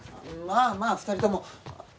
まあまあ２人とも。